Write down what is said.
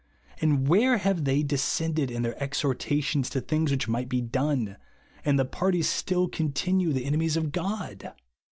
And where have they descended in their exhor tations to things which might be done, and the parties still continue the enemies of God?